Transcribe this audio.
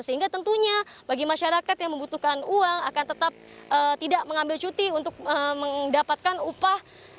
sehingga tentunya bagi masyarakat yang membutuhkan uang akan tetap tidak mengambil cuti untuk mendapatkan upah